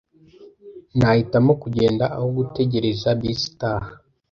Nahitamo kugenda aho gutegereza bisi itaha.